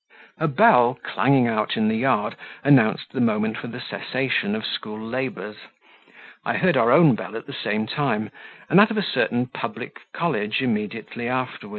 A bell clanging out in the yard announced the moment for the cessation of school labours. I heard our own bell at the same time, and that of a certain public college immediately after.